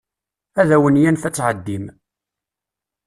Ad awen-yanef ad tɛeddim.